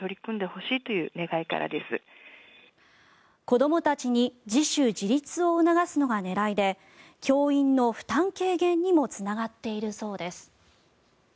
子どもたちに自主・自立を促すのが狙いで教員の負担軽減にもつながっているそうです。